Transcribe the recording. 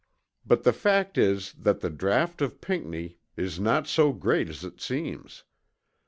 But the fact is that the draught of Pinckney is not so great as it seems.